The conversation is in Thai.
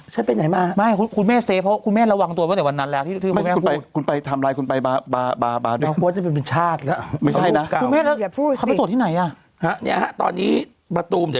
จากวันที่เท่าไหร่เริ่มรู้มั้ย